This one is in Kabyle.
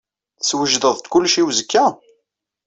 Teswejdeḍ-d kullec i uzekka?